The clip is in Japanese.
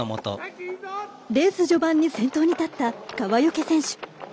レース序盤に先頭に立った川除選手。